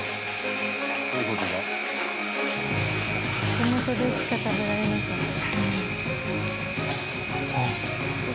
「地元でしか食べられなかった」。